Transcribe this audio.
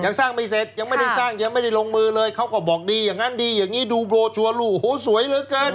ยังสร้างไม่เสร็จยังไม่ได้สร้างยังไม่ได้ลงมือเลยเขาก็บอกดีอย่างนั้นดีอย่างนี้ดูโบชัวร์ลูกโหสวยเหลือเกิน